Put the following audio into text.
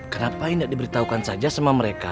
kenapa tidak diberitahukan saja sama mereka